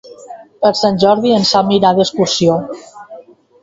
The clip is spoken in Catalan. Per Sant Jordi en Sam irà d'excursió.